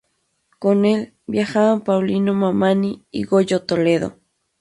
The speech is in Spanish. Con el viajaban Paulino Mamani y Goyo Toledo.